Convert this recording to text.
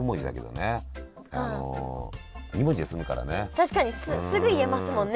確かにすぐ言えますもんね。